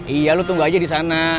iya lu tunggu aja di sana